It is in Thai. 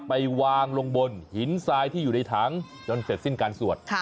ไปวางลงบนหินทรายที่อยู่ในถังจนเสร็จสิ้นการสวด